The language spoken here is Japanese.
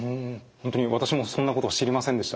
本当に私もそんなことは知りませんでした。